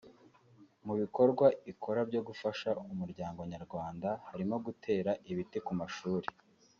Mu bikorwa ikora byo gufasha umuryango nyarwanda harimo gutera ibiti ku mashuri